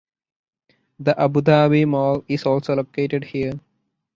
The Abu Dhabi Mall is also located here.